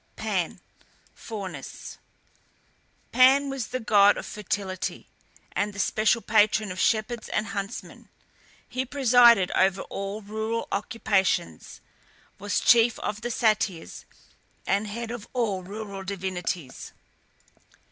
PAN (FAUNUS). Pan was the god of fertility, and the special patron of shepherds and huntsmen; he presided over all rural occupations, was chief of the Satyrs, and head of all rural divinities.